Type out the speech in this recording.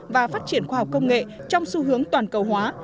và phát triển khoa học công nghệ trong xu hướng toàn cầu hóa